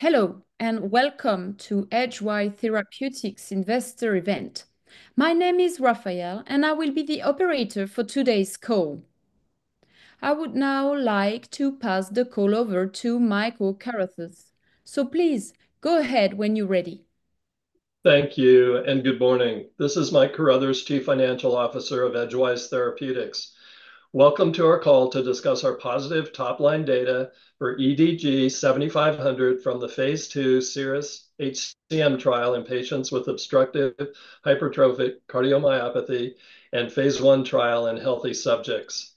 Hello, and welcome to Edgewise Therapeutics Investor Event. My name is Raphael, and I will be the operator for today's call. I would now like to pass the call over to Mike Carruthers. So please go ahead when you're ready. Thank you, and good morning. This is Mike Carruthers, Chief Financial Officer of Edgewise Therapeutics. Welcome to our call to discuss our positive top-line data for EDG-7500 from the phase 2 CIRRUS-HCM trial in patients with obstructive hypertrophic cardiomyopathy and phase 1 trial in healthy subjects.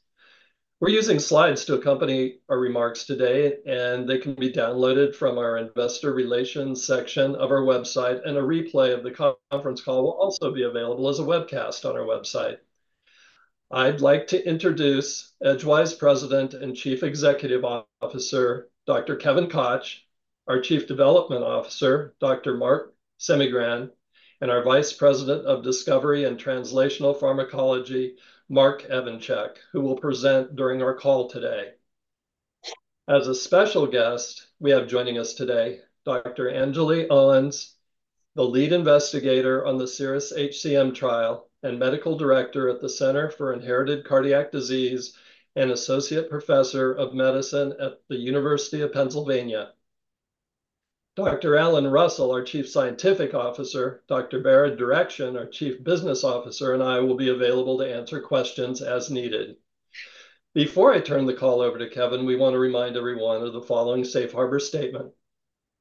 We're using slides to accompany our remarks today, and they can be downloaded from our investor relations section of our website, and a replay of the conference call will also be available as a webcast on our website. I'd like to introduce Edgewise President and Chief Executive Officer, Dr. Kevin Koch; our Chief Development Officer, Dr. Marc Semigran; and our Vice President of Discovery and Translational Pharmacology, Marc Evanchik, who will present during our call today. As a special guest, we have joining us today, Dr. Anjali Owens, the lead investigator on the CIRRUS-HCM trial and Medical Director at the Center for Inherited Cardiac Disease and Associate Professor of Medicine at the University of Pennsylvania. Dr. Alan Russell, our Chief Scientific Officer, Dr. Behrad Derakhshan, our Chief Business Officer, and I will be available to answer questions as needed. Before I turn the call over to Kevin, we want to remind everyone of the following safe harbor statement: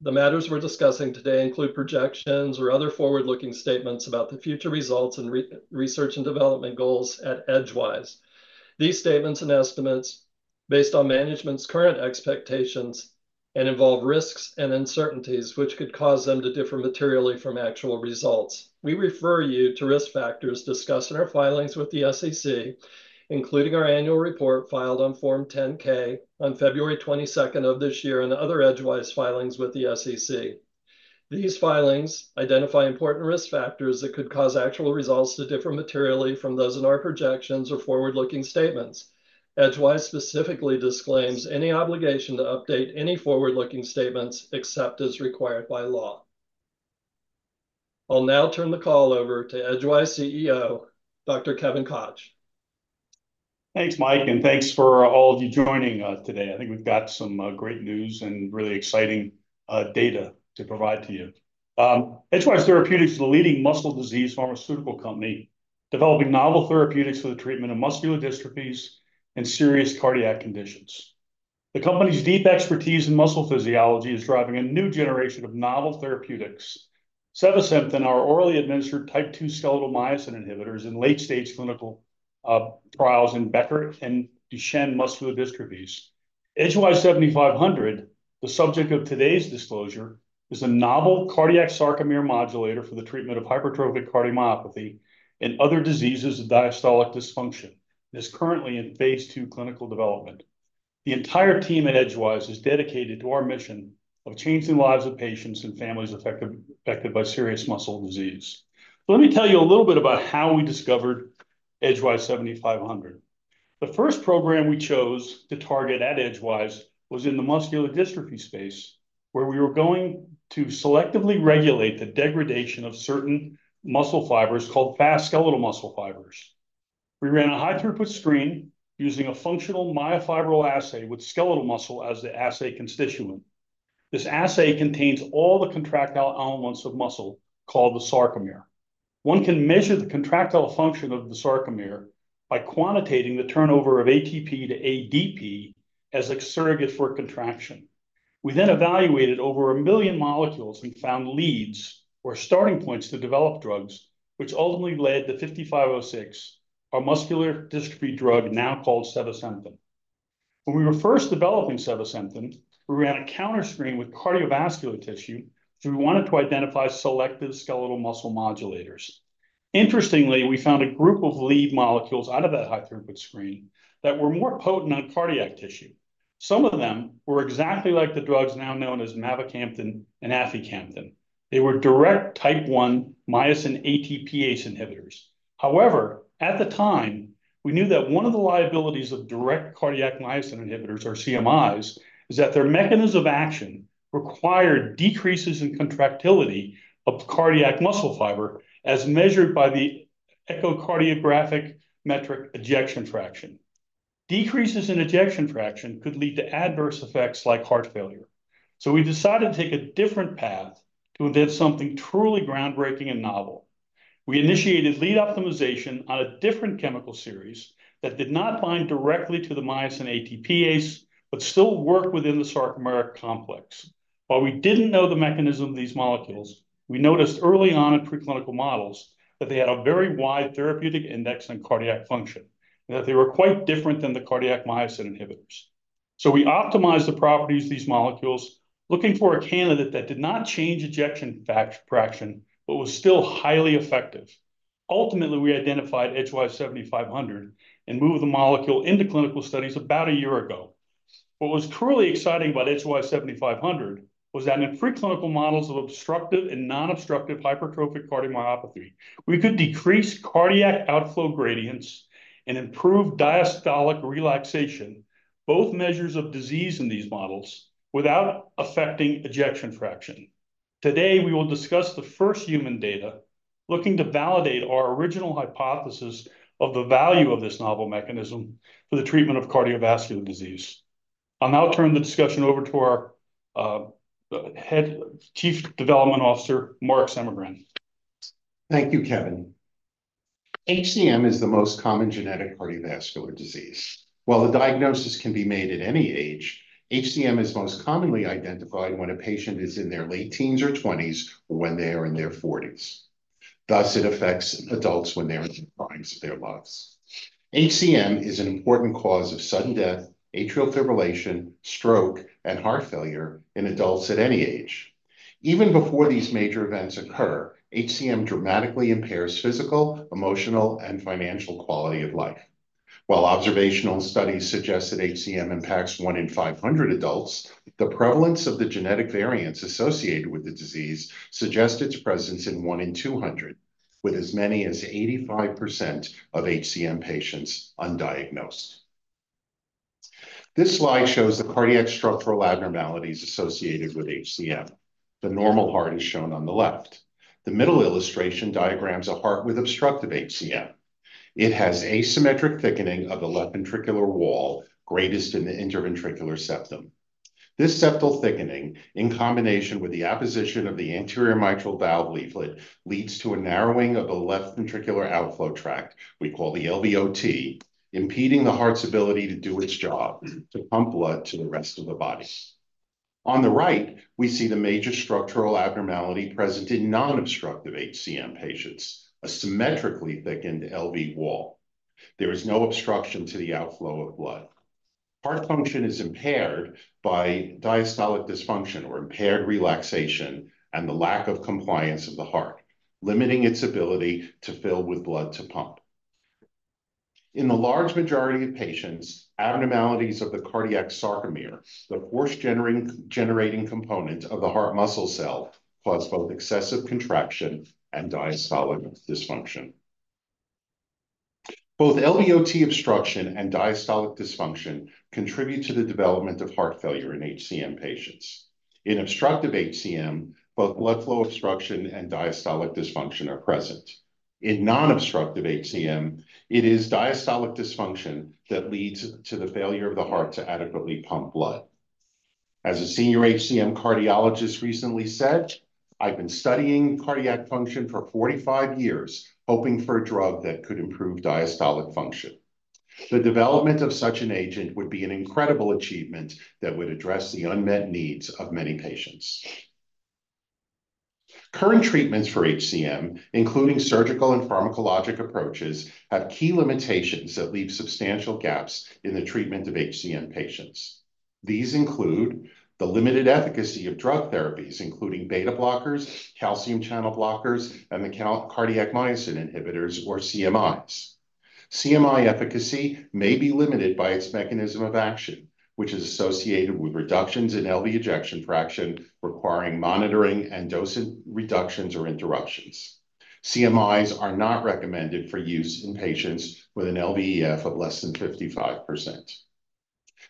The matters we're discussing today include projections or other forward-looking statements about the future results and research and development goals at Edgewise. These statements and estimates, based on management's current expectations, involve risks and uncertainties which could cause them to differ materially from actual results. We refer you to risk factors discussed in our filings with the SEC, including our annual report filed on Form 10-K on February twenty-second of this year and other Edgewise filings with the SEC. These filings identify important risk factors that could cause actual results to differ materially from those in our projections or forward-looking statements. Edgewise specifically disclaims any obligation to update any forward-looking statements except as required by law. I'll now turn the call over to Edgewise CEO, Dr. Kevin Koch. Thanks, Mike, and thanks for all of you joining us today. I think we've got some great news and really exciting data to provide to you. Edgewise Therapeutics is the leading muscle disease pharmaceutical company, developing novel therapeutics for the treatment of muscular dystrophies and serious cardiac conditions. The company's deep expertise in muscle physiology is driving a new generation of novel therapeutics. Sevasemten, our orally administered Type II skeletal myosin inhibitors in late-stage clinical trials in Becker and Duchenne muscular dystrophies. EDG-7500, the subject of today's disclosure, is a novel cardiac sarcomere modulator for the treatment of hypertrophic cardiomyopathy and other diseases of diastolic dysfunction, and is currently in phase 2 clinical development. The entire team at Edgewise is dedicated to our mission of changing lives of patients and families affected by serious muscle disease. Let me tell you a little bit about how we discovered EDG-7500. The first program we chose to target at Edgewise was in the muscular dystrophy space, where we were going to selectively regulate the degradation of certain muscle fibers called fast skeletal muscle fibers. We ran a high-throughput screen using a functional myofibril assay with skeletal muscle as the assay constituent. This assay contains all the contractile elements of muscle, called the sarcomere. One can measure the contractile function of the sarcomere by quantitating the turnover of ATP to ADP as a surrogate for contraction. We then evaluated over a million molecules and found leads or starting points to develop drugs, which ultimately led to EDG-5506, our muscular dystrophy drug, now called sevasemten. When we were first developing sevasemten, we ran a counter screen with cardiovascular tissue, so we wanted to identify selective skeletal muscle modulators. Interestingly, we found a group of lead molecules out of that high-throughput screen that were more potent on cardiac tissue. Some of them were exactly like the drugs now known as mavacamten and aficamten. They were direct Type I myosin ATPase inhibitors. However, at the time, we knew that one of the liabilities of direct cardiac myosin inhibitors, or CMIs, is that their mechanism of action required decreases in contractility of cardiac muscle fiber, as measured by the echocardiographic metric ejection fraction. Decreases in ejection fraction could lead to adverse effects like heart failure. So we decided to take a different path to invent something truly groundbreaking and novel. We initiated lead optimization on a different chemical series that did not bind directly to the myosin ATPase, but still worked within the sarcomeric complex. While we didn't know the mechanism of these molecules, we noticed early on in preclinical models that they had a very wide therapeutic index and cardiac function, and that they were quite different than the cardiac myosin inhibitors. So we optimized the properties of these molecules, looking for a candidate that did not change ejection fraction, but was still highly effective. Ultimately, we identified EDG-7500 and moved the molecule into clinical studies about a year ago. What was truly exciting about EDG-7500 was that in preclinical models of obstructive and non-obstructive hypertrophic cardiomyopathy, we could decrease cardiac outflow gradients and improve diastolic relaxation, both measures of disease in these models, without affecting ejection fraction. Today, we will discuss the first human data, looking to validate our original hypothesis of the value of this novel mechanism for the treatment of cardiovascular disease. I'll now turn the discussion over to our Chief Development Officer, Marc Semigran. Thank you, Kevin. HCM is the most common genetic cardiovascular disease. While the diagnosis can be made at any age, HCM is most commonly identified when a patient is in their late teens or twenties, or when they are in their forties. Thus, it affects adults when they are in the primes of their lives. HCM is an important cause of sudden death, atrial fibrillation, stroke, and heart failure in adults at any age. Even before these major events occur, HCM dramatically impairs physical, emotional, and financial quality of life. While observational studies suggest that HCM impacts one in 500 adults, the prevalence of the genetic variants associated with the disease suggest its presence in one in 200, with as many as 85% of HCM patients undiagnosed. This slide shows the cardiac structural abnormalities associated with HCM. The normal heart is shown on the left. The middle illustration diagrams a heart with obstructive HCM. It has asymmetric thickening of the left ventricular wall, greatest in the interventricular septum. This septal thickening, in combination with the apposition of the anterior mitral valve leaflet, leads to a narrowing of the left ventricular outflow tract, we call the LVOT, impeding the heart's ability to do its job, to pump blood to the rest of the body. On the right, we see the major structural abnormality present in non-obstructive HCM patients, a symmetrically thickened LV wall. There is no obstruction to the outflow of blood. Heart function is impaired by diastolic dysfunction or impaired relaxation, and the lack of compliance of the heart, limiting its ability to fill with blood to pump. In the large majority of patients, abnormalities of the cardiac sarcomere, the force-generating component of the heart muscle cell, cause both excessive contraction and diastolic dysfunction. Both LVOT obstruction and diastolic dysfunction contribute to the development of heart failure in HCM patients. In obstructive HCM, both blood flow obstruction and diastolic dysfunction are present. In non-obstructive HCM, it is diastolic dysfunction that leads to the failure of the heart to adequately pump blood. As a senior HCM cardiologist recently said, "I've been studying cardiac function for 45 years, hoping for a drug that could improve diastolic function. The development of such an agent would be an incredible achievement that would address the unmet needs of many patients." Current treatments for HCM, including surgical and pharmacologic approaches, have key limitations that leave substantial gaps in the treatment of HCM patients. These include the limited efficacy of drug therapies, including beta blockers, calcium channel blockers, and the cardiac myosin inhibitors, or CMIs. CMI efficacy may be limited by its mechanism of action, which is associated with reductions in LV ejection fraction, requiring monitoring and dosage reductions or interruptions. CMIs are not recommended for use in patients with an LVEF of less than 55%.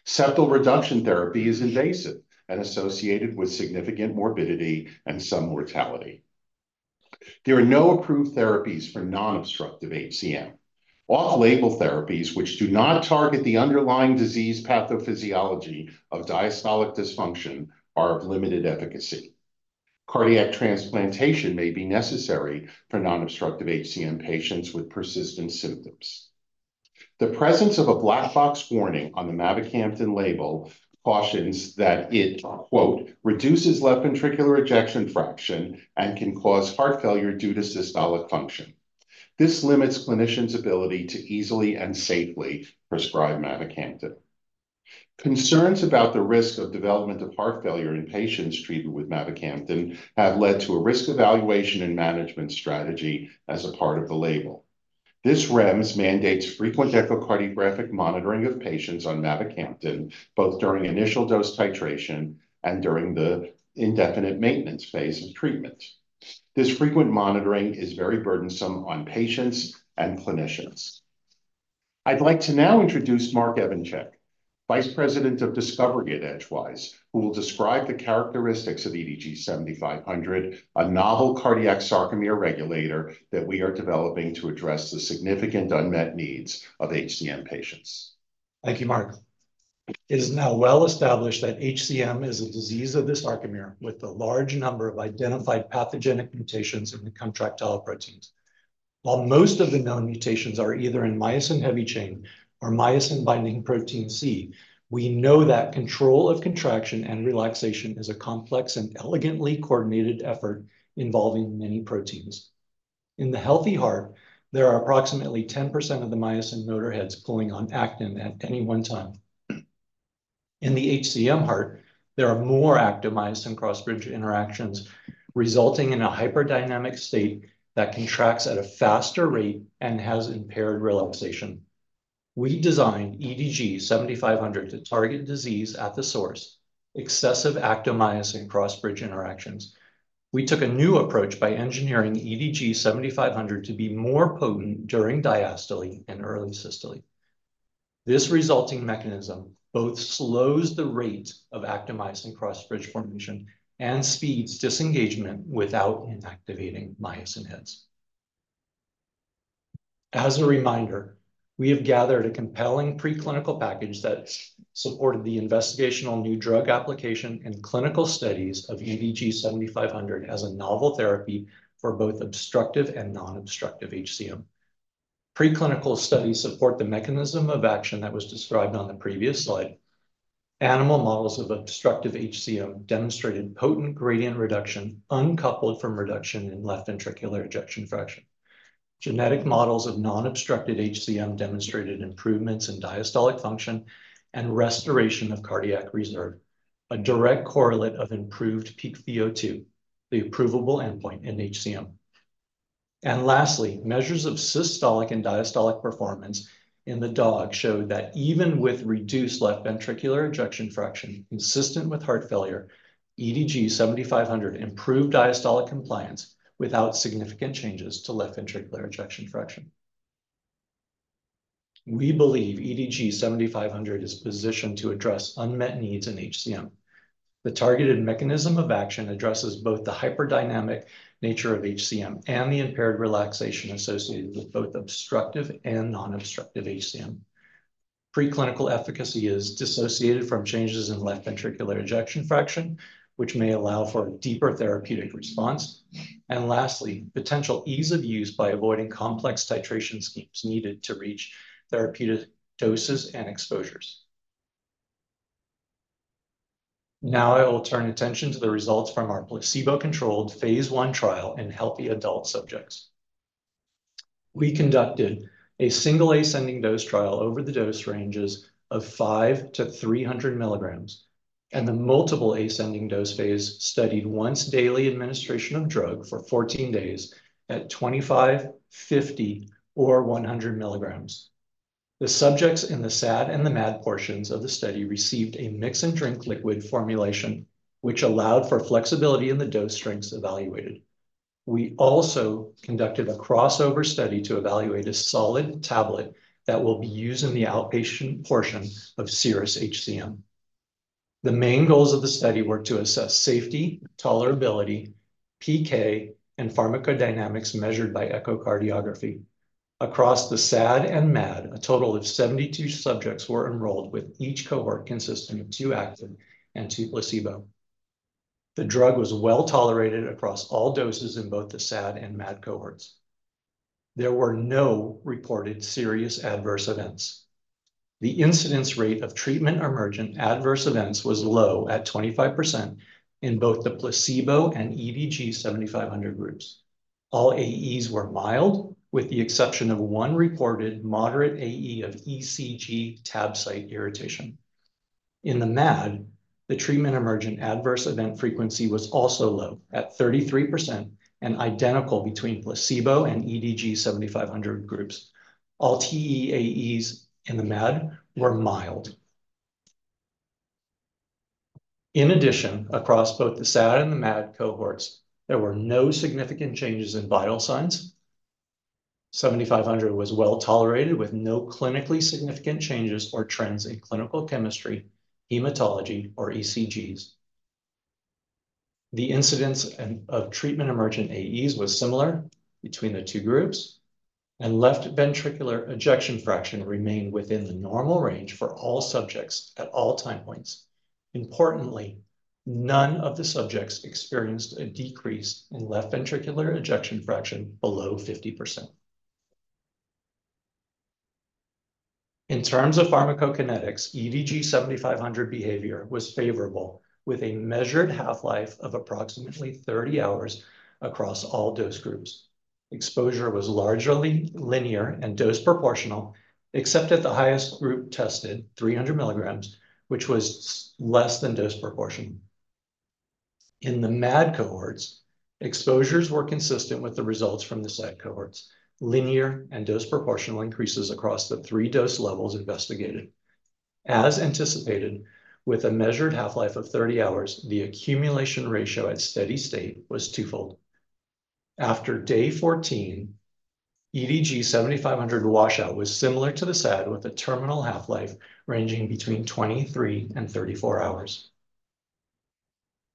Septal reduction therapy is invasive and associated with significant morbidity and some mortality. There are no approved therapies for non-obstructive HCM. Off-label therapies, which do not target the underlying disease pathophysiology of diastolic dysfunction, are of limited efficacy. Cardiac transplantation may be necessary for non-obstructive HCM patients with persistent symptoms. The presence of a black box warning on the mavacamten label cautions that it, quote, "reduces left ventricular ejection fraction and can cause heart failure due to systolic function." This limits clinicians' ability to easily and safely prescribe mavacamten. Concerns about the risk of development of heart failure in patients treated with mavacamten have led to a risk evaluation and mitigation strategy as a part of the label. This REMS mandates frequent echocardiographic monitoring of patients on mavacamten, both during initial dose titration and during the indefinite maintenance phase of treatment. This frequent monitoring is very burdensome on patients and clinicians. I'd like to now introduce Marc Evanchik, Vice President of Discovery at Edgewise, who will describe the characteristics of EDG-7500, a novel cardiac sarcomere modulator that we are developing to address the significant unmet needs of HCM patients. Thank you, Mark. It is now well established that HCM is a disease of the sarcomere with a large number of identified pathogenic mutations in the contractile proteins. While most of the known mutations are either in myosin heavy chain or myosin-binding protein C, we know that control of contraction and relaxation is a complex and elegantly coordinated effort involving many proteins. In the healthy heart, there are approximately 10% of the myosin motor heads pulling on actin at any one time. In the HCM heart, there are more active myosin cross-bridge interactions, resulting in a hyperdynamic state that contracts at a faster rate and has impaired relaxation. We designed EDG-7500 to target disease at the source: excessive actin-myosin cross-bridge interactions. We took a new approach by engineering EDG-7500 to be more potent during diastole and early systole.... This resulting mechanism both slows the rate of actin-myosin cross-bridge formation and speeds disengagement without inactivating myosin heads. As a reminder, we have gathered a compelling preclinical package that supported the investigational new drug application and clinical studies of EDG-7500 as a novel therapy for both obstructive and non-obstructive HCM. Preclinical studies support the mechanism of action that was described on the previous slide. Animal models of obstructive HCM demonstrated potent gradient reduction uncoupled from reduction in left ventricular ejection fraction. Genetic models of non-obstructive HCM demonstrated improvements in diastolic function and restoration of cardiac reserve, a direct correlate of improved peak VO2, the approvable endpoint in HCM. And lastly, measures of systolic and diastolic performance in the dog showed that even with reduced left ventricular ejection fraction consistent with heart failure, EDG-7500 improved diastolic compliance without significant changes to left ventricular ejection fraction. We believe EDG-7500 is positioned to address unmet needs in HCM. The targeted mechanism of action addresses both the hyperdynamic nature of HCM and the impaired relaxation associated with both obstructive and non-obstructive HCM. Preclinical efficacy is dissociated from changes in left ventricular ejection fraction, which may allow for a deeper therapeutic response, and lastly, potential ease of use by avoiding complex titration schemes needed to reach therapeutic doses and exposures. Now I will turn attention to the results from our placebo-controlled phase 1 trial in healthy adult subjects. We conducted a single ascending dose trial over the dose ranges of five to three hundred milligrams, and the multiple ascending dose phase studied once-daily administration of drug for fourteen days at twenty-five, fifty, or one hundred milligrams. The subjects in the SAD and the MAD portions of the study received a mix and drink liquid formulation, which allowed for flexibility in the dose strengths evaluated. We also conducted a crossover study to evaluate a solid tablet that will be used in the outpatient portion of CIRRUS-HCM. The main goals of the study were to assess safety, tolerability, PK, and pharmacodynamics measured by echocardiography. Across the SAD and MAD, a total of 72 subjects were enrolled, with each cohort consisting of two active and two placebo. The drug was well-tolerated across all doses in both the SAD and MAD cohorts. There were no reported serious adverse events. The incidence rate of treatment-emergent adverse events was low at 25% in both the placebo and EDG-7500 groups. All AEs were mild, with the exception of one reported moderate AE of ECG tab site irritation. In the MAD, the treatment-emergent adverse event frequency was also low, at 33%, and identical between placebo and EDG-7500 groups. All TEAEs in the MAD were mild. In addition, across both the SAD and the MAD cohorts, there were no significant changes in vital signs. EDG-7500 was well-tolerated, with no clinically significant changes or trends in clinical chemistry, hematology, or ECGs. The incidence of treatment-emergent AEs was similar between the two groups, and left ventricular ejection fraction remained within the normal range for all subjects at all time points. Importantly, none of the subjects experienced a decrease in left ventricular ejection fraction below 50%. In terms of pharmacokinetics, EDG-7500 behavior was favorable, with a measured half-life of approximately 30 hours across all dose groups. Exposure was largely linear and dose proportional, except at the highest group tested, 300 milligrams, which was less than dose proportional. In the MAD cohorts, exposures were consistent with the results from the SAD cohorts, linear and dose proportional increases across the three dose levels investigated. As anticipated, with a measured half-life of thirty hours, the accumulation ratio at steady state was twofold. After day fourteen, EDG-7500 washout was similar to the SAD, with a terminal half-life ranging between twenty-three and thirty-four hours.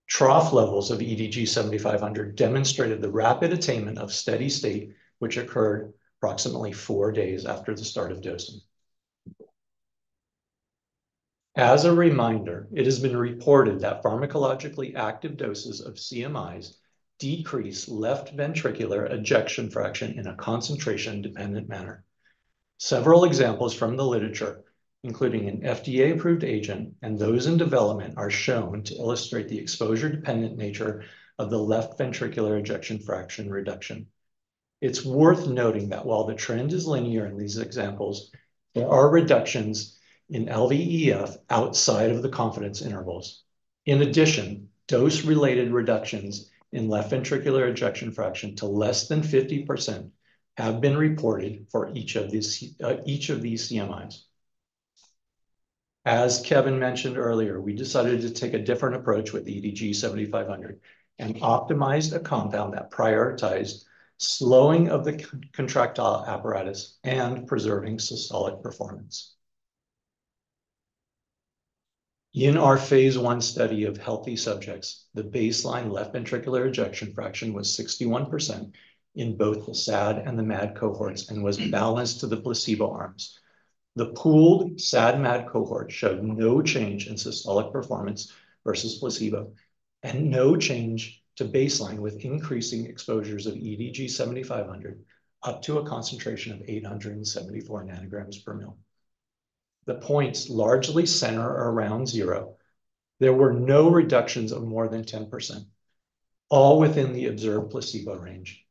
Trough levels of EDG-7500 demonstrated the rapid attainment of steady state, which occurred approximately four days after the start of dosing. As a reminder, it has been reported that pharmacologically active doses of CMIs decrease left ventricular ejection fraction in a concentration-dependent manner. Several examples from the literature, including an FDA-approved agent and those in development, are shown to illustrate the exposure-dependent nature of the left ventricular ejection fraction reduction. It's worth noting that while the trend is linear in these examples, there are reductions in LVEF outside of the confidence intervals. In addition, dose-related reductions in left ventricular ejection fraction to less than 50% have been reported for each of these CMIs. As Kevin mentioned earlier, we decided to take a different approach with the EDG-7500 and optimized a compound that prioritized slowing of the contractile apparatus and preserving systolic performance. In our phase one study of healthy subjects, the baseline left ventricular ejection fraction was 61% in both the SAD and the MAD cohorts, and was balanced to the placebo arms. The pooled SAD/MAD cohort showed no change in systolic performance versus placebo, and no change to baseline with increasing exposures of EDG-7500, up to a concentration of 874 nanograms per mL. The points largely center around zero. There were no reductions of more than 10%, all within the observed placebo range.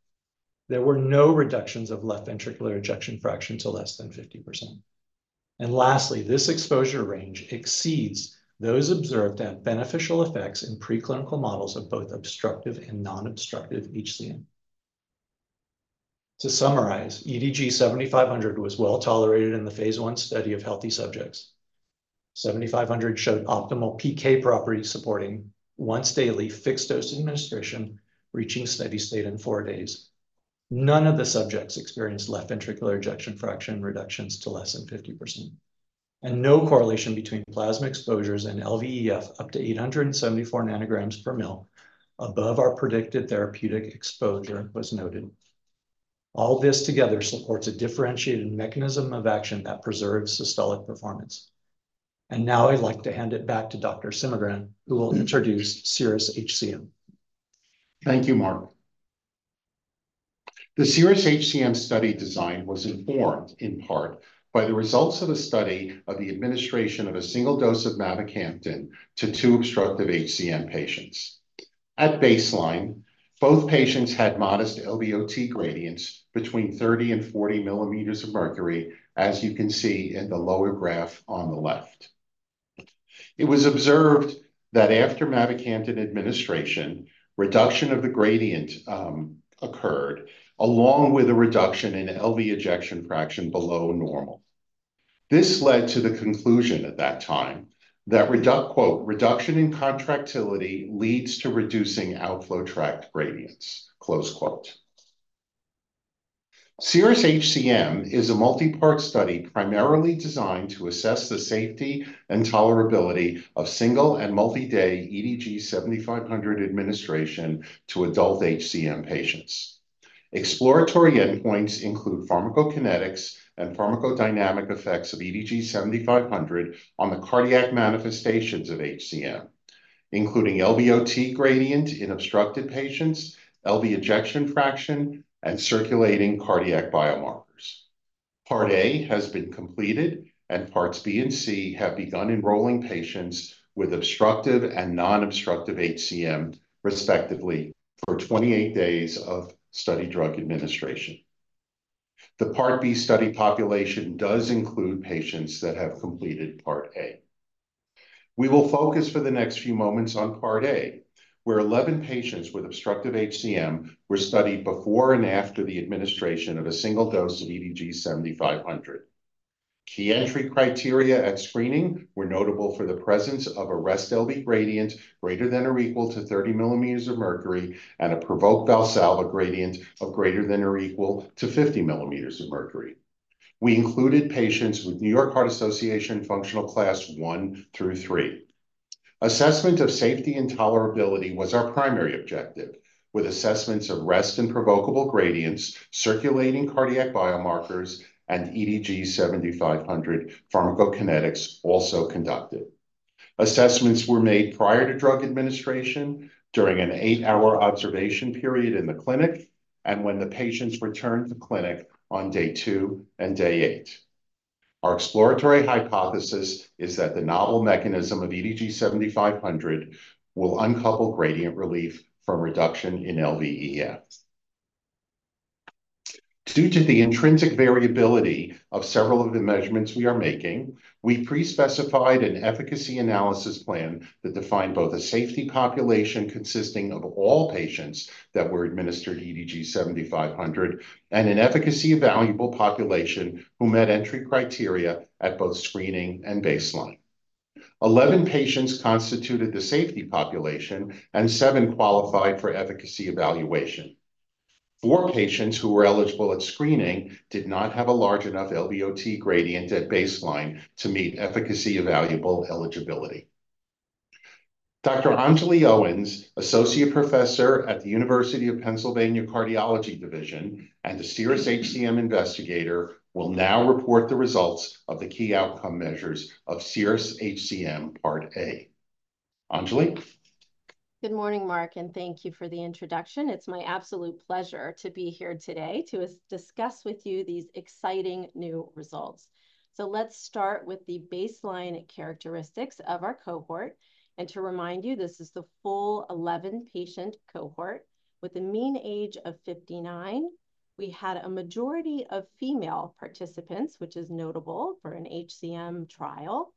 There were no reductions of left ventricular ejection fraction to less than 50%. And lastly, this exposure range exceeds those observed to have beneficial effects in preclinical models of both obstructive and non-obstructive HCM. To summarize, EDG-7500 was well-tolerated in the phase 1 study of healthy subjects. 7500 showed optimal PK properties supporting once-daily fixed-dose administration, reaching steady state in four days. None of the subjects experienced left ventricular ejection fraction reductions to less than 50%, and no correlation between plasma exposures and LVEF up to 874 nanograms per mL above our predicted therapeutic exposure was noted. All this together supports a differentiated mechanism of action that preserves systolic performance. And now I'd like to hand it back to Dr. Semigran, who will introduce CIRRUS-HCM. Thank you, Mark. The CIRRUS-HCM study design was informed in part by the results of a study of the administration of a single dose of mavacamten to two obstructive HCM patients. At baseline, both patients had modest LVOT gradients between thirty and forty millimeters of mercury, as you can see in the lower graph on the left. It was observed that after mavacamten administration, reduction of the gradient occurred, along with a reduction in LV ejection fraction below normal. This led to the conclusion at that time that quote, "Reduction in contractility leads to reducing outflow tract gradients," close quote. CIRRUS-HCM is a multi-part study primarily designed to assess the safety and tolerability of single and multi-day EDG-7500 administration to adult HCM patients. Exploratory endpoints include pharmacokinetics and pharmacodynamic effects of EDG-7500 on the cardiac manifestations of HCM, including LVOT gradient in obstructed patients, LV ejection fraction, and circulating cardiac biomarkers. Part A has been completed, and Parts B and C have begun enrolling patients with obstructive and non-obstructive HCM, respectively, for twenty-eight days of study drug administration. The Part B study population does include patients that have completed Part A. We will focus for the next few moments on Part A, where eleven patients with obstructive HCM were studied before and after the administration of a single dose of EDG-7500. Key entry criteria at screening were notable for the presence of a resting LV gradient greater than or equal to thirty millimeters of mercury and a provoked Valsalva gradient of greater than or equal to fifty millimeters of mercury. We included patients with New York Heart Association functional Class I through III. Assessment of safety and tolerability was our primary objective, with assessments of rest and provokable gradients, circulating cardiac biomarkers, and EDG-7500 pharmacokinetics also conducted. Assessments were made prior to drug administration, during an eight-hour observation period in the clinic, and when the patients returned to clinic on day two and day eight. Our exploratory hypothesis is that the novel mechanism of EDG-7500 will uncouple gradient relief from reduction in LVEF. Due to the intrinsic variability of several of the measurements we are making, we pre-specified an efficacy analysis plan that defined both a safety population consisting of all patients that were administered EDG-7500, and an efficacy-evaluable population who met entry criteria at both screening and baseline. Eleven patients constituted the safety population, and seven qualified for efficacy evaluation. Four patients who were eligible at screening did not have a large enough LVOT gradient at baseline to meet efficacy-evaluable eligibility. Dr. Anjali Owens, Associate Professor at the University of Pennsylvania Cardiology Division and the CIRRUS-HCM investigator, will now report the results of the key outcome measures of CIRRUS-HCM part A. Anjali? Good morning, Mark, and thank you for the introduction. It's my absolute pleasure to be here today to discuss with you these exciting new results. So let's start with the baseline characteristics of our cohort. And to remind you, this is the full 11-patient cohort with a mean age of 59. We had a majority of female participants, which is notable for an HCM trial.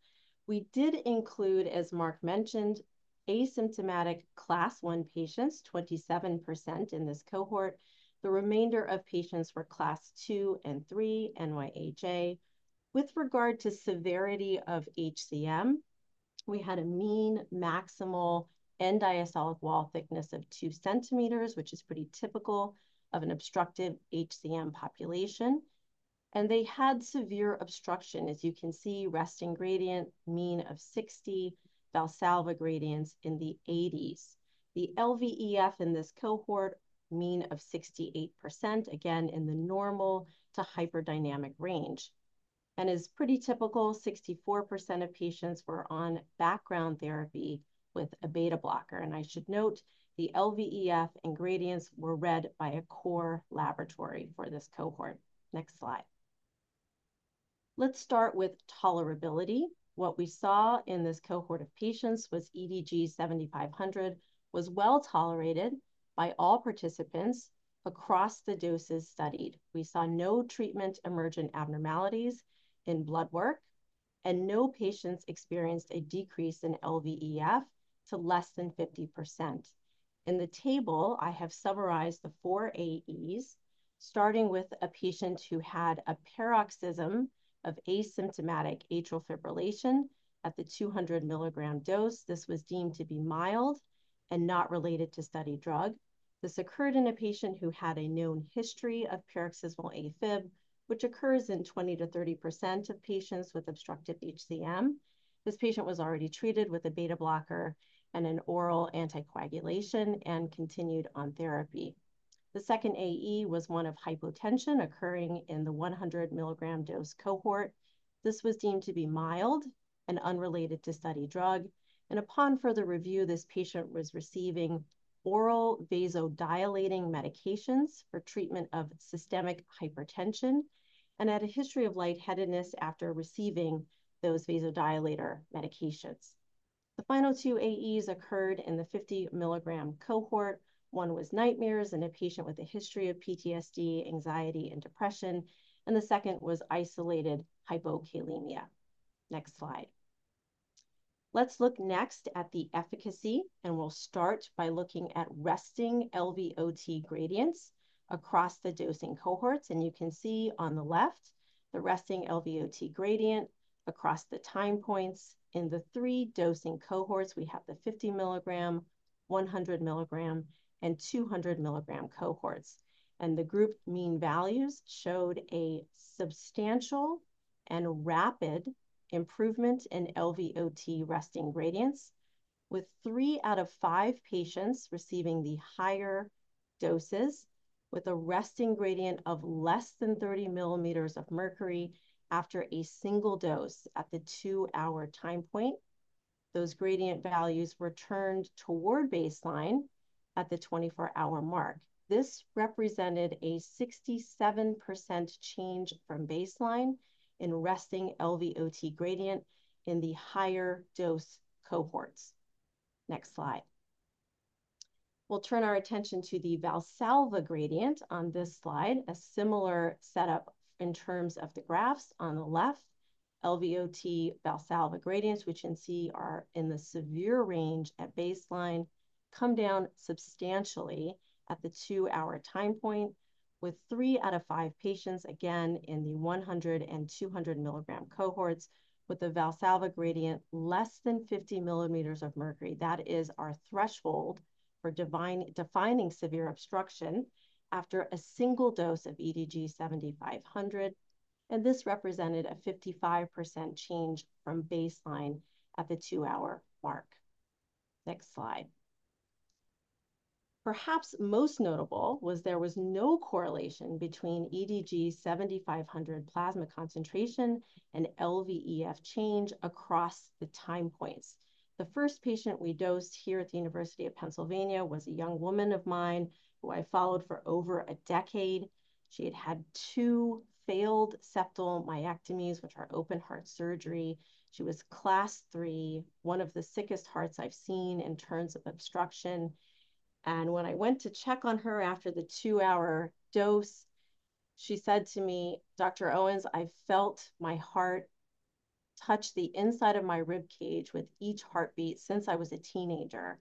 We did include, as Mark mentioned, asymptomatic Class I patients, 27% in this cohort. The remainder of patients were Class II and III NYHA. With regard to severity of HCM. We had a mean maximal end-diastolic wall thickness of two centimeters, which is pretty typical of an obstructive HCM population, and they had severe obstruction. As you can see, resting gradient mean of 60, Valsalva gradients in the 80s. The LVEF in this cohort, mean of 68%, again, in the normal to hyperdynamic range. And as pretty typical, 64% of patients were on background therapy with a beta blocker. And I should note, the LVEF and gradients were read by a core laboratory for this cohort. Next slide. Let's start with tolerability. What we saw in this cohort of patients was EDG-7500 was well tolerated by all participants across the doses studied. We saw no treatment emergent abnormalities in blood work, and no patients experienced a decrease in LVEF to less than 50%. In the table, I have summarized the four AEs, starting with a patient who had a paroxysm of asymptomatic atrial fibrillation at the 200 mg dose. This was deemed to be mild and not related to study drug. This occurred in a patient who had a known history of paroxysmal AFib, which occurs in 20%-30% of patients with obstructive HCM. This patient was already treated with a beta blocker and an oral anticoagulation and continued on therapy. The second AE was one of hypotension occurring in the 100 milligram dose cohort. This was deemed to be mild and unrelated to study drug, and upon further review, this patient was receiving oral vasodilating medications for treatment of systemic hypertension and had a history of lightheadedness after receiving those vasodilator medications. The final two AEs occurred in the 50 milligram cohort. One was nightmares in a patient with a history of PTSD, anxiety, and depression, and the second was isolated hypokalemia. Next slide. Let's look next at the efficacy, and we'll start by looking at resting LVOT gradients across the dosing cohorts. You can see on the left, the resting LVOT gradient across the time points. In the three dosing cohorts, we have the 50 milligram, 100 milligram, and 200 milligram cohorts. The group mean values showed a substantial and rapid improvement in LVOT resting gradients, with three out of five patients receiving the higher doses, with a resting gradient of less than 30 millimeters of mercury after a single dose at the two-hour time point. Those gradient values returned toward baseline at the 24-hour mark. This represented a 67% change from baseline in resting LVOT gradient in the higher dose cohorts. Next slide. We'll turn our attention to the Valsalva gradient on this slide, a similar setup in terms of the graphs. On the left, LVOT Valsalva gradients, which you can see are in the severe range at baseline, come down substantially at the two-hour time point, with three out of five patients, again, in the 100- and 200-milligram cohorts, with the Valsalva gradient less than 50 millimeters of mercury. That is our threshold for defining severe obstruction after a single dose of EDG-7500, and this represented a 55% change from baseline at the two-hour mark. Next slide. Perhaps most notable was there was no correlation between EDG-7500 plasma concentration and LVEF change across the time points. The first patient we dosed here at the University of Pennsylvania was a young woman of mine who I followed for over a decade. She had had two failed septal myectomies, which are open heart surgery. She was class three, one of the sickest hearts I've seen in terms of obstruction. And when I went to check on her after the two-hour dose, she said to me, "Dr. Owens, I felt my heart touch the inside of my rib cage with each heartbeat since I was a teenager,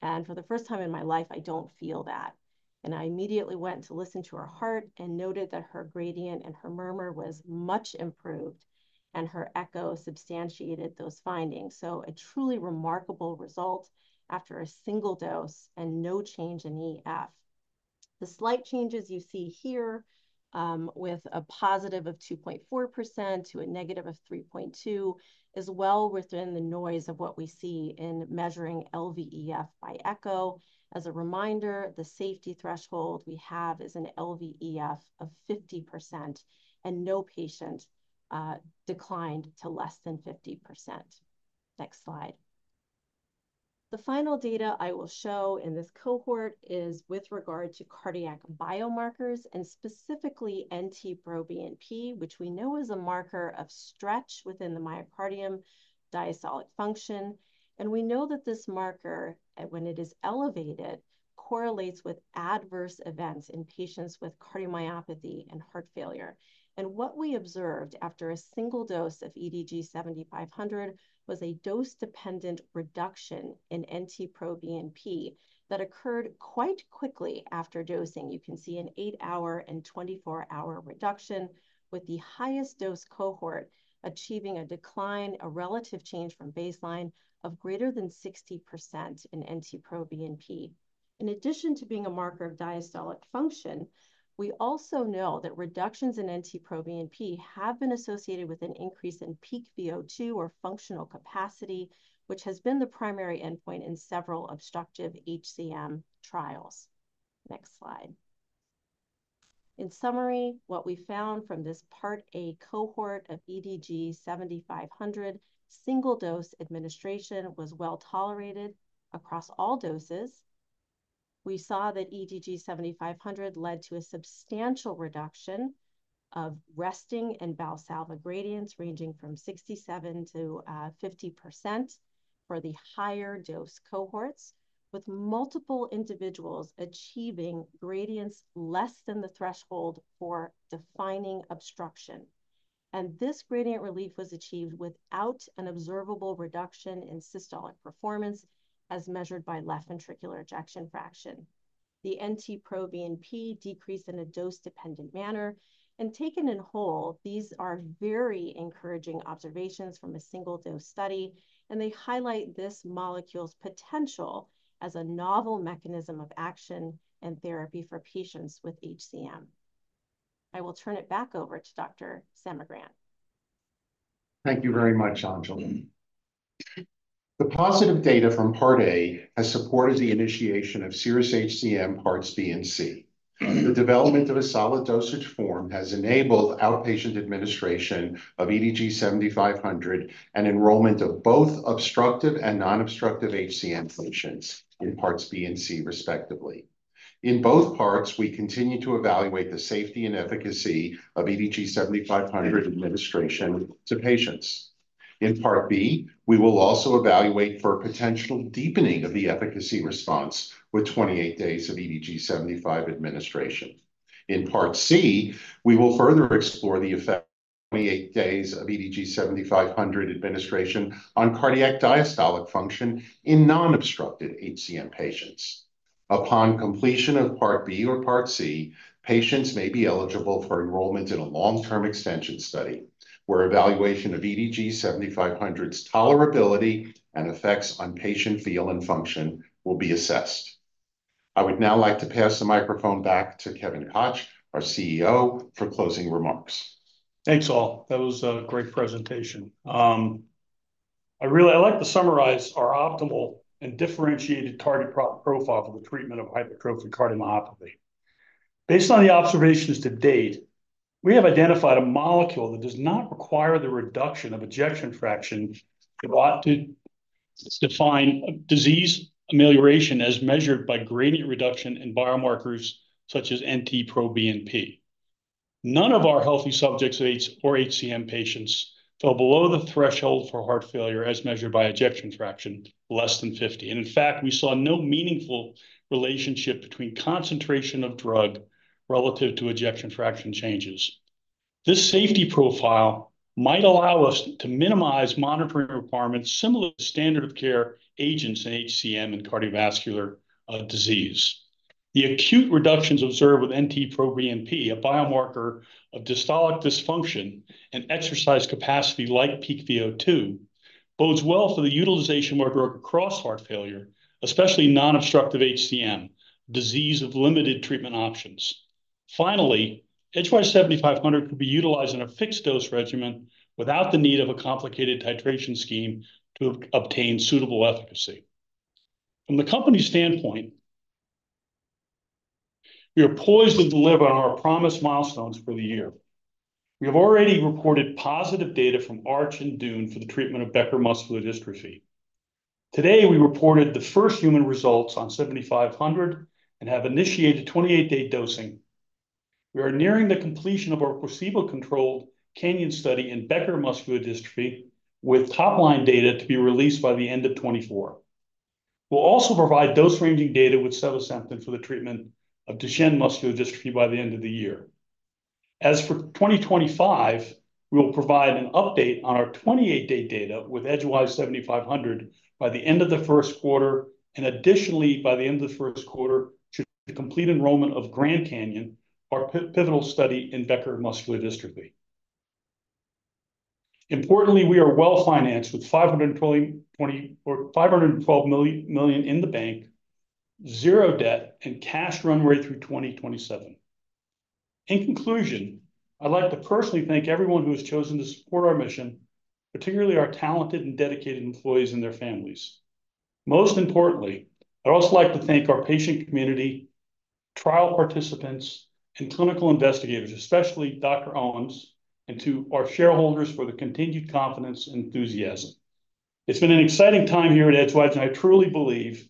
and for the first time in my life, I don't feel that." And I immediately went to listen to her heart and noted that her gradient and her murmur was much improved, and her echo substantiated those findings. So a truly remarkable result after a single dose and no change in EF. The slight changes you see here with a positive of 2.4% to a negative of 3.2% is well within the noise of what we see in measuring LVEF by echo. As a reminder, the safety threshold we have is an LVEF of 50%, and no patient declined to less than 50%. Next slide. The final data I will show in this cohort is with regard to cardiac biomarkers and specifically NT-proBNP, which we know is a marker of stretch within the myocardium diastolic function, and we know that this marker, when it is elevated, correlates with adverse events in patients with cardiomyopathy and heart failure, and what we observed after a single dose of EDG-7500 was a dose-dependent reduction in NT-proBNP that occurred quite quickly after dosing. You can see an eight-hour and twenty-four-hour reduction, with the highest dose cohort achieving a decline, a relative change from baseline, of greater than 60% in NT-proBNP. In addition to being a marker of diastolic function, we also know that reductions in NT-proBNP have been associated with an increase in peak VO2 or functional capacity, which has been the primary endpoint in several obstructive HCM trials. Next slide. In summary, what we found from this Part A cohort of EDG-7500, single-dose administration was well-tolerated across all doses. We saw that EDG-7500 led to a substantial reduction of resting and Valsalva gradients, ranging from 67%-50% for the higher dose cohorts, with multiple individuals achieving gradients less than the threshold for defining obstruction. This gradient relief was achieved without an observable reduction in systolic performance, as measured by left ventricular ejection fraction. The NT-proBNP decreased in a dose-dependent manner. Taken in whole, these are very encouraging observations from a single-dose study, and they highlight this molecule's potential as a novel mechanism of action and therapy for patients with HCM. I will turn it back over to Dr. Semigran. Thank you very much, Anjali. The positive data from Part A has supported the initiation of CIRRUS-HCM Parts B and C. The development of a solid dosage form has enabled outpatient administration of EDG-7500 and enrollment of both obstructive and non-obstructive HCM patients in Parts B and C, respectively. In both parts, we continue to evaluate the safety and efficacy of EDG-7500 administration to patients. In Part B, we will also evaluate for potential deepening of the efficacy response with twenty-eight days of EDG-7500 administration. In Part C, we will further explore the effect of twenty-eight days of EDG-7500 administration on cardiac diastolic function in non-obstructive HCM patients. Upon completion of Part B or Part C, patients may be eligible for enrollment in a long-term extension study, where evaluation of EDG-7500's tolerability and effects on patient feel and function will be assessed. I would now like to pass the microphone back to Kevin Koch, our CEO, for closing remarks. Thanks, all. That was a great presentation. I really I'd like to summarize our optimal and differentiated target profile for the treatment of hypertrophic cardiomyopathy. Based on the observations to date, we have identified a molecule that does not require the reduction of ejection fraction to ought to define disease amelioration, as measured by gradient reduction in biomarkers such as NT-proBNP. None of our healthy subjects or HCM patients fell below the threshold for heart failure, as measured by ejection fraction less than 50. And in fact, we saw no meaningful relationship between concentration of drug relative to ejection fraction changes. This safety profile might allow us to minimize monitoring requirements similar to standard of care agents in HCM and cardiovascular disease. The acute reductions observed with NT-proBNP, a biomarker of diastolic dysfunction and exercise capacity like peak VO2, bodes well for the utilization of our drug across heart failure, especially non-obstructive HCM, disease of limited treatment options. Finally, EDG-7500 could be utilized in a fixed-dose regimen without the need of a complicated titration scheme to obtain suitable efficacy. From the company's standpoint, we are poised to deliver on our promised milestones for the year. We have already reported positive data from ARCH and DUNE for the treatment of Becker muscular dystrophy. Today, we reported the first human results on EDG-7500 and have initiated a twenty-eight-day dosing. We are nearing the completion of our placebo-controlled CANYON study in Becker muscular dystrophy, with top-line data to be released by the end of 2024. We'll also provide dose-ranging data with sevasemten for the treatment of Duchenne muscular dystrophy by the end of the year. As for 2025, we will provide an update on our 28-day data with EDG-7500 by the end of the first quarter, and additionally, by the end of the first quarter, to the complete enrollment of GRAND CANYON, our pivotal study in Becker muscular dystrophy. Importantly, we are well-financed, with $512 million in the bank, zero debt, and cash runway through 2027. In conclusion, I'd like to personally thank everyone who has chosen to support our mission, particularly our talented and dedicated employees and their families. Most importantly, I'd also like to thank our patient community, trial participants, and clinical investigators, especially Dr. Owens, and to our shareholders for the continued confidence and enthusiasm. It's been an exciting time here at Edgewise, and I truly believe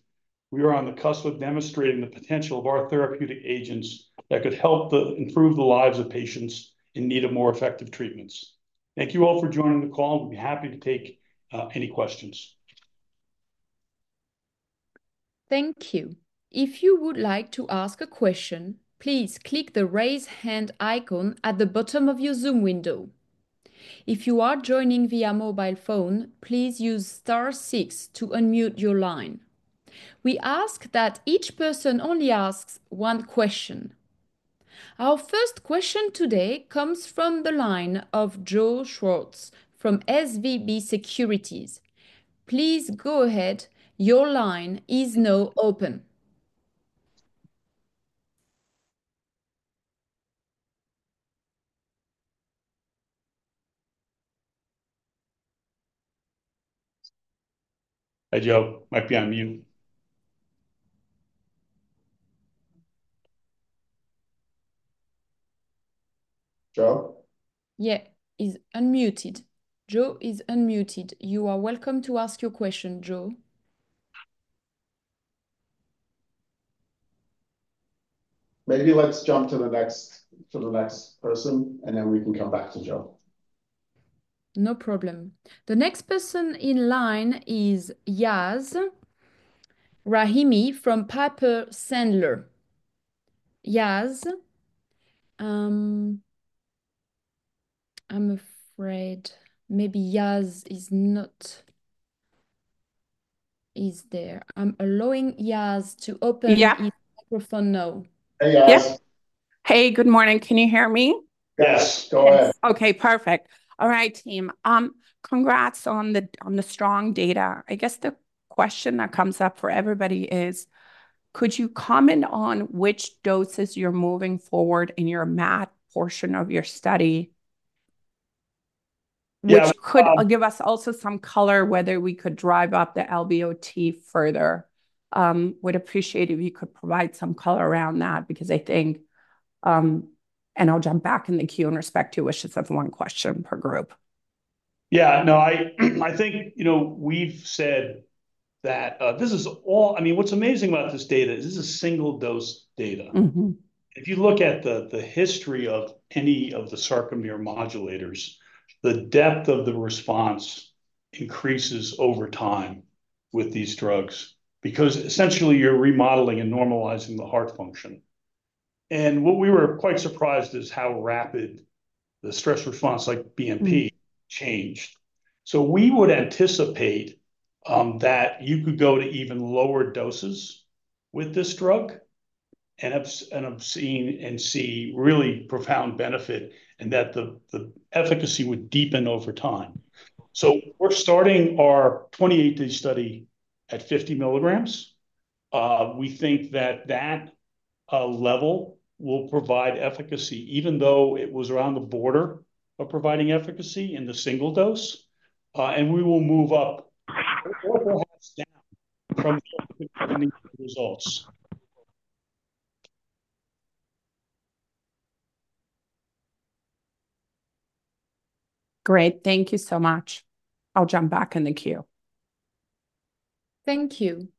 we are on the cusp of demonstrating the potential of our therapeutic agents that could help improve the lives of patients in need of more effective treatments. Thank you all for joining the call. I'll be happy to take any questions. Thank you. If you would like to ask a question, please click the Raise Hand icon at the bottom of your Zoom window. If you are joining via mobile phone, please use star six to unmute your line. We ask that each person only asks one question. Our first question today comes from the line of Joe Schwartz from SVB Securities. Please go ahead. Your line is now open. Hi, Joe, might be on mute. Joe? Yeah, he's unmuted. Joe is unmuted. You are welcome to ask your question, Joe. Maybe let's jump to the next person, and then we can come back to Joe. No problem. The next person in line is Yaz Rahimi from Piper Sandler. Yaz, I'm afraid maybe Yaz is not-- is there. I'm allowing Yaz to open- Yeah. His microphone now. Hey, Yaz. Yes. Hey, good morning. Can you hear me? Yes, go ahead. Yes. Okay, perfect. All right, team, congrats on the strong data. I guess the question that comes up for everybody is: could you comment on which doses you're moving forward in your MAD portion of your study? Yeah, um- Which could give us also some color, whether we could drive up the LVOT further. Would appreciate if you could provide some color around that, because I think, and I'll jump back in the queue in respect to wishes of one question per group. Yeah, no, I think, you know, we've said that, this is all. I mean, what's amazing about this data, this is a single-dose data. If you look at the history of any of the sarcomere modulators, the depth of the response increases over time with these drugs. Because essentially, you're remodeling and normalizing the heart function. And what we were quite surprised is how rapid the stress response, like BNP changed, so we would anticipate that you could go to even lower doses with this drug, and observe and see really profound benefit, and that the efficacy would deepen over time, so we're starting our 28-day study at 50 milligrams. We think that level will provide efficacy, even though it was around the border of providing efficacy in the single dose, and we will move up, or perhaps down from the results. Great. Thank you so much. I'll jump back in the queue. Thank you.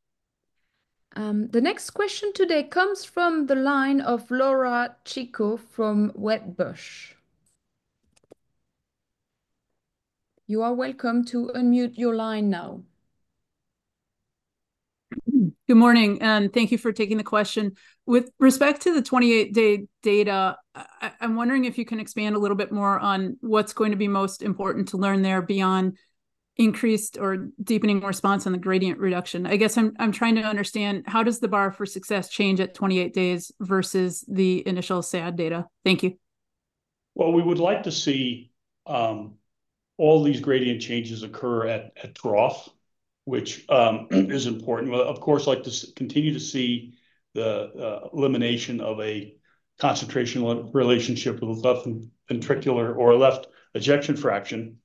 The next question today comes from the line of Laura Chico from Wedbush. You are welcome to unmute your line now. Good morning, and thank you for taking the question. With respect to the 28-day data, I'm wondering if you can expand a little bit more on what's going to be most important to learn there, beyond increased or deepening response on the gradient reduction. I guess I'm trying to understand, how does the bar for success change at 28 days versus the initial SAD data? Thank you. We would like to see all these gradient changes occur at trough, which is important. Of course, like to continue to see the elimination of a concentrational relationship with left ventricular or left ejection fraction.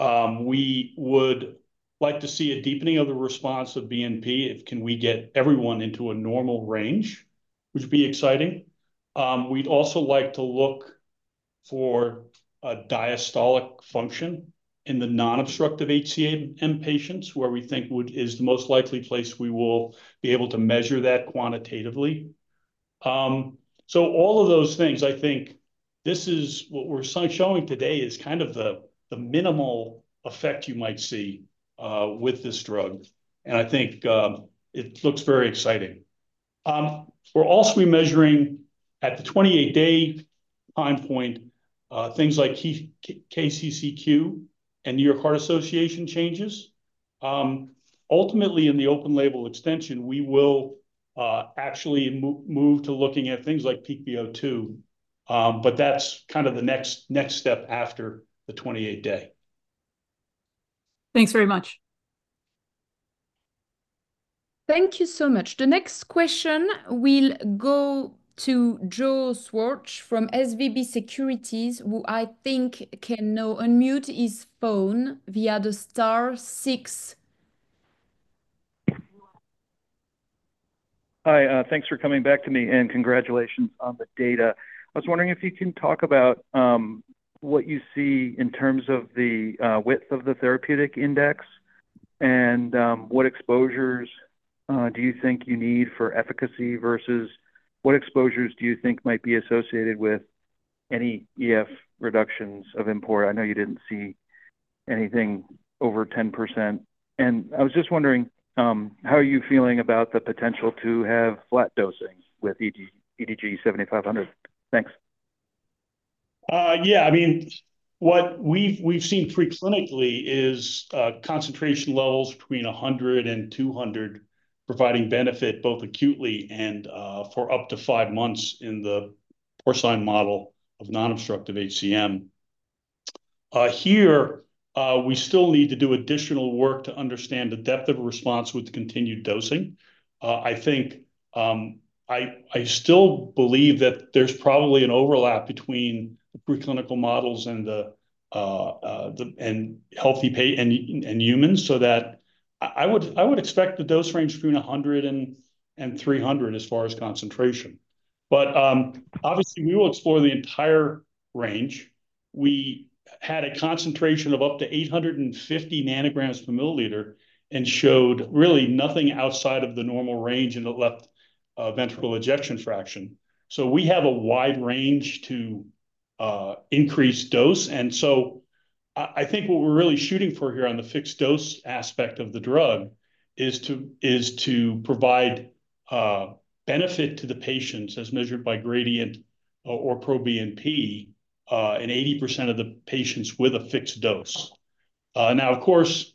We would like to see a deepening of the response of BNP if we can get everyone into a normal range, which would be exciting. We'd also like to look for a diastolic function in the non-obstructive HCM patients, where we think is the most likely place we will be able to measure that quantitatively. So all of those things, I think this is what we're showing today is kind of the minimal effect you might see with this drug, and I think it looks very exciting. We're also be measuring, at the twenty-eight-day time point, things like KCCQ and New York Heart Association changes. Ultimately, in the open label extension, we will actually move to looking at things like peak VO2, but that's kind of the next step after the twenty-eight day. Thanks very much. Thank you so much. The next question will go to Joe Schwartz from SVB Securities, who I think can now unmute his phone via the star six. Hi, thanks for coming back to me, and congratulations on the data. I was wondering if you can talk about what you see in terms of the width of the therapeutic index, and what exposures do you think you need for efficacy, versus what exposures do you think might be associated with any EF reductions of import? I know you didn't see anything over 10%. I was just wondering how are you feeling about the potential to have flat dosing with EDG-7500? Thanks. Yeah, I mean, what we've seen preclinically is concentration levels between 100 and 200, providing benefit both acutely and for up to five months in the porcine model of non-obstructive HCM. Here, we still need to do additional work to understand the depth of response with the continued dosing. I think I still believe that there's probably an overlap between the preclinical models and healthy humans, so that I would expect the dose range between 100 and 300 as far as concentration. But obviously, we will explore the entire range. We had a concentration of up to 850 nanograms per milliliter and showed really nothing outside of the normal range in the left ventricular ejection fraction. So we have a wide range to increase dose. And so I think what we're really shooting for here on the fixed-dose aspect of the drug is to provide benefit to the patients as measured by gradient or proBNP in 80% of the patients with a fixed dose. Now, of course,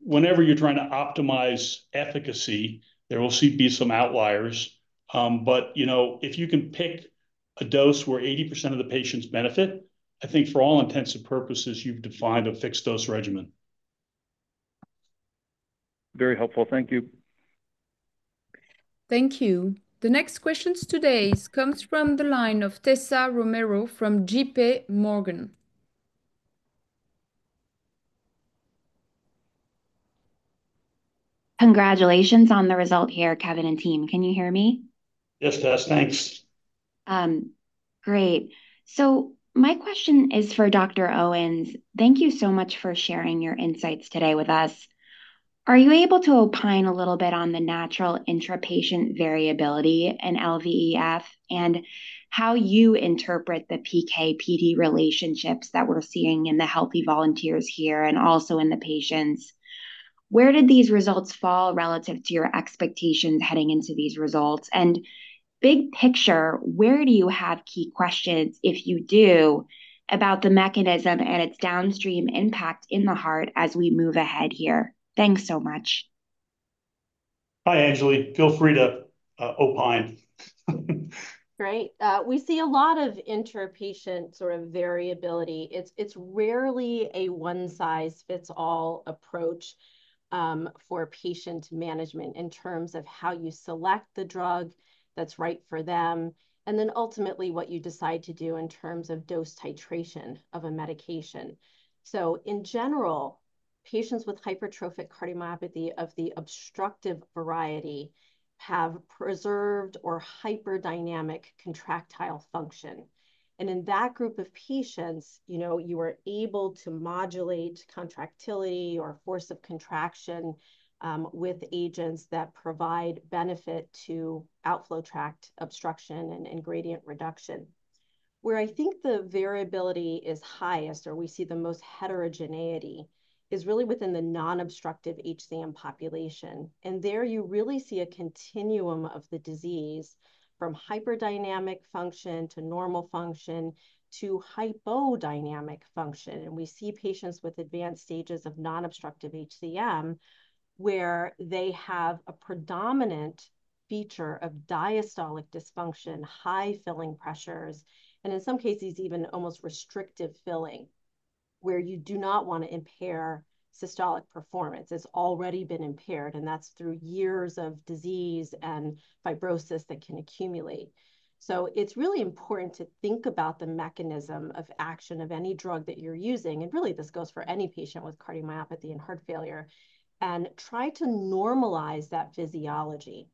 whenever you're trying to optimize efficacy, there will be some outliers, but you know, if you can pick a dose where 80% of the patients benefit, I think for all intents and purposes, you've defined a fixed-dose regimen. Very helpful. Thank you. Thank you. The next questions today comes from the line of Tessa Romero from J.P. Morgan. Congratulations on the result here, Kevin and team. Can you hear me? Yes, Tess. Thanks. Great. So my question is for Dr. Owens. Thank you so much for sharing your insights today with us. Are you able to opine a little bit on the natural intra-patient variability in LVEF, and how you interpret the PK/PD relationships that we're seeing in the healthy volunteers here and also in the patients? Where did these results fall relative to your expectations heading into these results? And big picture, where do you have key questions, if you do, about the mechanism and its downstream impact in the heart as we move ahead here? Thanks so much. Hi, Anjali. Feel free to opine. Great. We see a lot of intra-patient sort of variability. It's rarely a one-size-fits-all approach for patient management in terms of how you select the drug that's right for them, and then ultimately, what you decide to do in terms of dose titration of a medication. So in general, patients with hypertrophic cardiomyopathy of the obstructive variety have preserved or hyperdynamic contractile function. And in that group of patients, you know, you are able to modulate contractility or force of contraction with agents that provide benefit to outflow tract obstruction and gradient reduction. Where I think the variability is highest or we see the most heterogeneity is really within the non-obstructive HCM population. And there, you really see a continuum of the disease, from hyperdynamic function to normal function to hypodynamic function. We see patients with advanced stages of non-obstructive HCM, where they have a predominant feature of diastolic dysfunction, high filling pressures, and in some cases, even almost restrictive filling, where you do not want to impair systolic performance. It's already been impaired, and that's through years of disease and fibrosis that can accumulate. It's really important to think about the mechanism of action of any drug that you're using, and really, this goes for any patient with cardiomyopathy and heart failure, and try to normalize that physiology.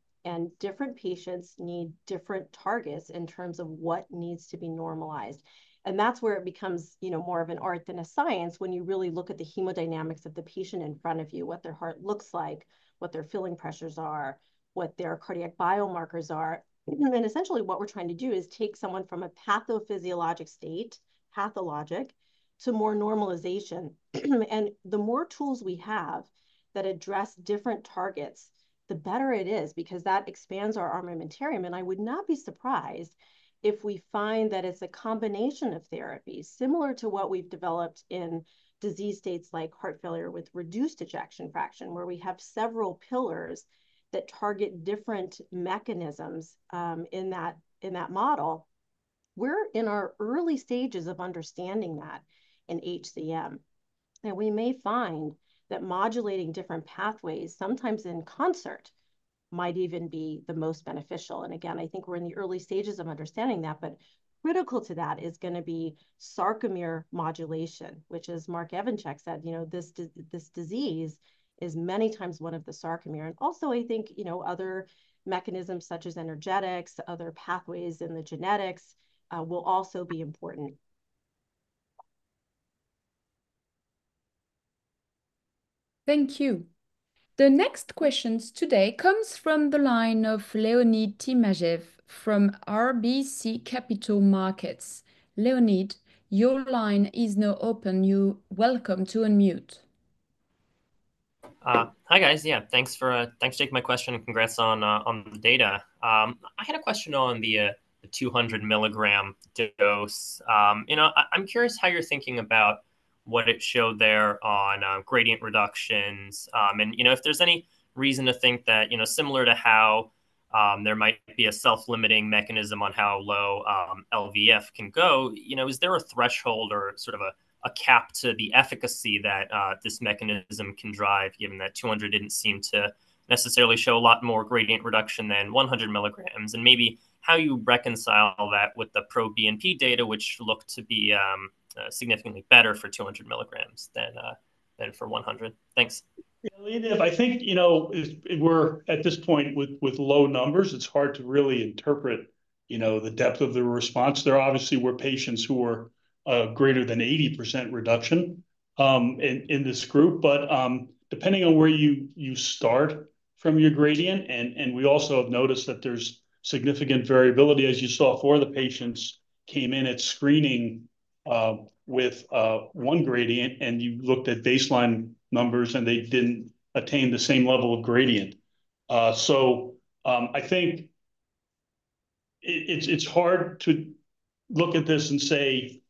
Different patients need different targets in terms of what needs to be normalized. That's where it becomes, you know, more of an art than a science when you really look at the hemodynamics of the patient in front of you, what their heart looks like, what their filling pressures are, what their cardiac biomarkers are. Essentially, what we're trying to do is take someone from a pathophysiologic state, pathologic, to more normalization. The more tools we have that address different targets, the better it is because that expands our armamentarium. I would not be surprised if we find that it's a combination of therapies, similar to what we've developed in disease states like heart failure with reduced ejection fraction, where we have several pillars that target different mechanisms in that model. We're in our early stages of understanding that in HCM, and we may find that modulating different pathways, sometimes in concert, might even be the most beneficial. Again, I think we're in the early stages of understanding that, but critical to that is gonna be sarcomere modulation, which, as Marc Evanchik said, you know, this disease is many times one of the sarcomere. And also, I think, you know, other mechanisms such as energetics, other pathways in the genetics, will also be important. Thank you. The next questions today comes from the line of Leonid Timashev from RBC Capital Markets. Leonid, your line is now open. You're welcome to unmute. Hi, guys. Yeah, thanks for taking my question, and congrats on the data. I had a question on the 200-milligram dose. You know, I'm curious how you're thinking about what it showed there on gradient reductions. And you know, if there's any reason to think that, you know, similar to how there might be a self-limiting mechanism on how low LVEF can go. You know, is there a threshold or sort of a cap to the efficacy that this mechanism can drive, given that two hundred didn't seem to necessarily show a lot more gradient reduction than one hundred milligrams? And maybe how you reconcile that with the proBNP data, which looked to be significantly better for two hundred milligrams than for one hundred. Thanks. Yeah, I think, you know, if we're at this point with low numbers, it's hard to really interpret, you know, the depth of the response. There obviously were patients who were greater than 80% reduction in this group. But, depending on where you start from your gradient, and we also have noticed that there's significant variability. As you saw, four of the patients came in at screening with one gradient, and you looked at baseline numbers, and they didn't attain the same level of gradient. So, I think it's hard to look at this and say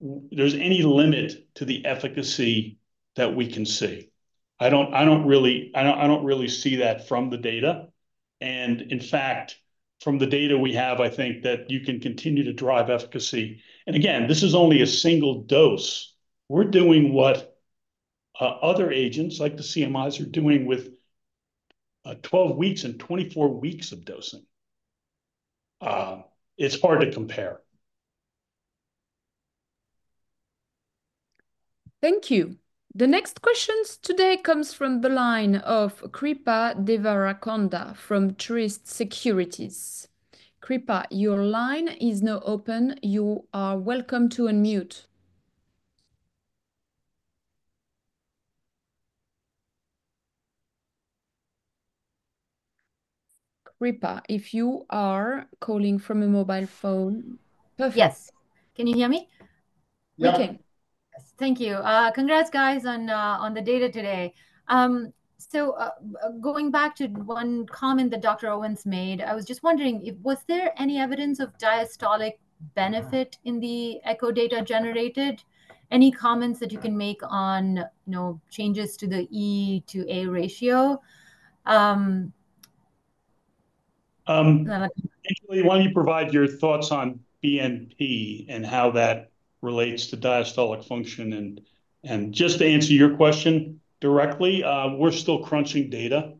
there's any limit to the efficacy that we can see. I don't really see that from the data, and in fact, from the data we have, I think that you can continue to drive efficacy. And again, this is only a single dose. We're doing what other agents, like the CMI, are doing with twelve weeks and twenty-four weeks of dosing. It's hard to compare. Thank you. The next questions today comes from the line of Kripa Devarakonda from Truist Securities. Kripa, your line is now open. You are welcome to unmute. Kripa, if you are calling from a mobile phone Yes. Can you hear me? Yeah. Yeah. Okay. Thank you. Congrats, guys, on the data today. So, going back to one comment that Dr. Owens made, I was just wondering if was there any evidence of diastolic benefit in the echo data generated? Any comments that you can make on, you know, changes to the E to A ratio? Anjali, why don't you provide your thoughts on BNP and how that relates to diastolic function? And just to answer your question directly, we're still crunching data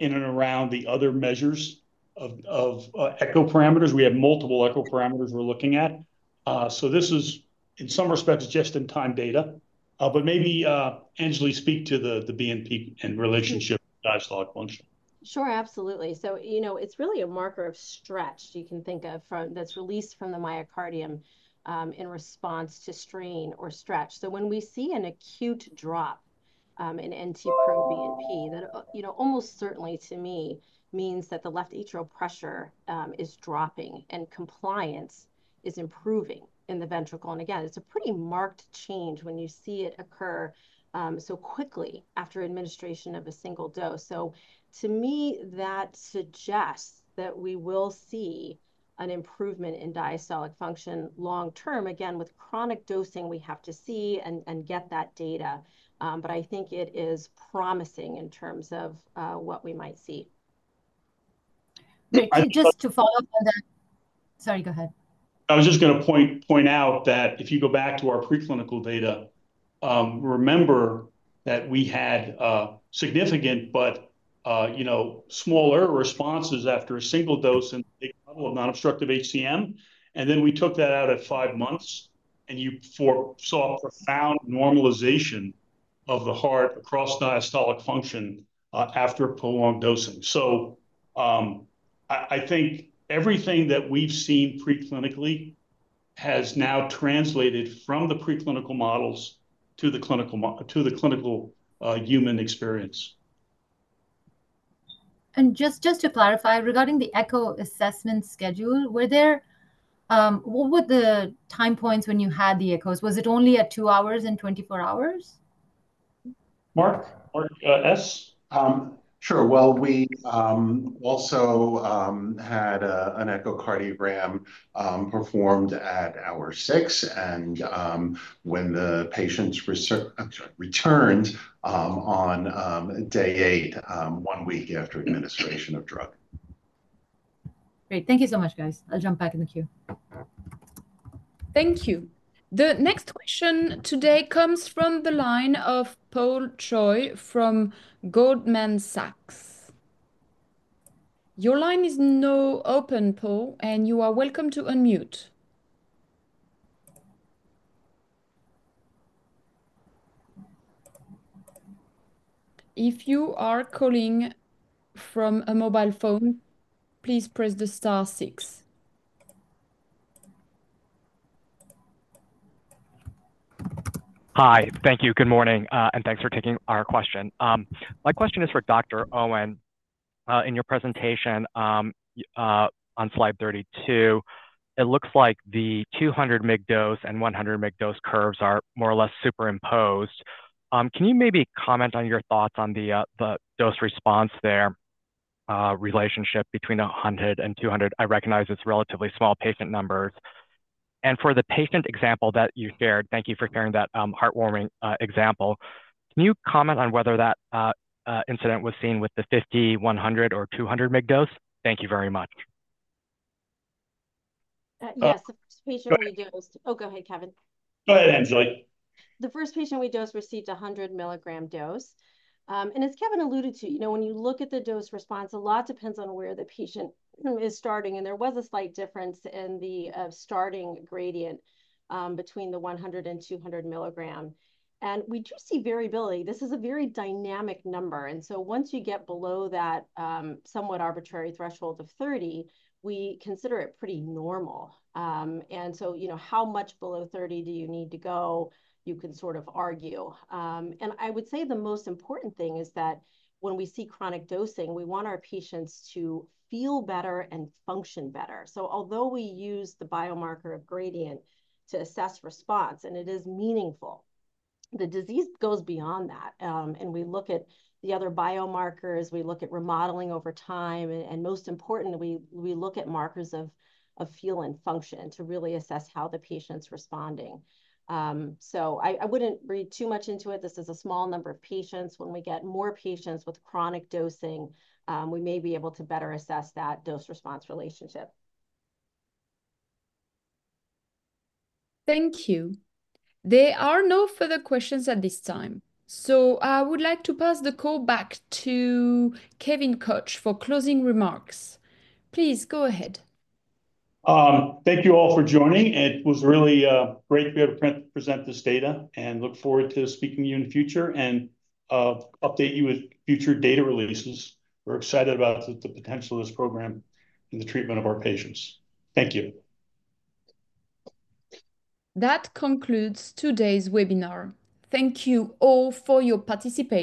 in and around the other measures of echo parameters. We have multiple echo parameters we're looking at, so this is, in some respects, just-in-time data, but maybe, Anjali, speak to the BNP in relationship to diastolic function. Sure, absolutely. So, you know, it's really a marker of stretch. You can think of. That's released from the myocardium, in response to strain or stretch. So when we see an acute drop, in NT-proBNP, that, you know, almost certainly to me means that the left atrial pressure, is dropping and compliance is improving in the ventricle. And again, it's a pretty marked change when you see it occur, so quickly after administration of a single dose. So to me, that suggests that we will see an improvement in diastolic function long term. Again, with chronic dosing, we have to see and get that data, but I think it is promising in terms of, what we might see. I just Just to follow up on that. Sorry, go ahead. I was just gonna point out that if you go back to our preclinical data, remember that we had significant but you know smaller responses after a single dose in a big model of non-obstructive HCM, and then we took that out at five months, and you saw a profound normalization of the heart across diastolic function after prolonged dosing. So, I think everything that we've seen preclinically has now translated from the preclinical models to the clinical human experience. Just to clarify, regarding the echo assessment schedule, what were the time points when you had the echoes? Was it only at two hours and twenty-four hours? Mark? Marc, S? Sure. Well, we also had an echocardiogram performed at hour six, and when the patients returned on day eight, one week after administration of drug. Great. Thank you so much, guys. I'll jump back in the queue. Thank you. The next question today comes from the line of Paul Choi from Goldman Sachs. Your line is now open, Paul, and you are welcome to unmute. If you are calling from a mobile phone, please press the star six. Hi. Thank you. Good morning, and thanks for taking our question. My question is for Dr. Owens. In your presentation, on slide 32, it looks like the 200 mg dose and 100 mg dose curves are more or less superimposed. Can you maybe comment on your thoughts on the dose-response there, relationship between 100 and 200? I recognize it's relatively small patient numbers. And for the patient example that you shared, thank you for sharing that, heartwarming example. Can you comment on whether that incident was seen with the 50, 100, or 200 mg dose? Thank you very much. Yes, the first patient we dosed Go Oh, go ahead, Kevin. Go ahead, Anjali. The first patient we dosed received a hundred-milligram dose, and as Kevin alluded to, you know, when you look at the dose response, a lot depends on where the patient is starting, and there was a slight difference in the starting gradient between the one hundred and two hundred milligram, and we do see variability. This is a very dynamic number, and so once you get below that somewhat arbitrary threshold of thirty, we consider it pretty normal, and so you know, how much below thirty do you need to go? You can sort of argue, and I would say the most important thing is that when we see chronic dosing, we want our patients to feel better and function better, so although we use the biomarker of gradient to assess response, and it is meaningful, the disease goes beyond that. And we look at the other biomarkers, we look at remodeling over time, and most importantly, we look at markers of feel and function to really assess how the patient's responding. So I wouldn't read too much into it. This is a small number of patients. When we get more patients with chronic dosing, we may be able to better assess that dose-response relationship. Thank you. There are no further questions at this time, so I would like to pass the call back to Kevin Koch for closing remarks. Please go ahead. Thank you all for joining. It was really great to be able to present this data, and look forward to speaking to you in the future, and update you with future data releases. We're excited about the potential of this program in the treatment of our patients. Thank you. That concludes today's webinar. Thank you all for your participation.